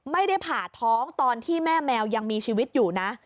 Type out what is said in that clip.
ไม่ได้ผ่าท้องตอนที่แม่แมวยังมีชีวิตอยู่นะ